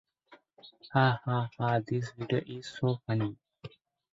Diamond was educated at Leeds Grammar School and became an accountant.